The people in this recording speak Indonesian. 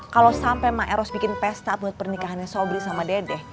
kalau sampai ma eros bikin pesta buat pernikahannya sobri sama dede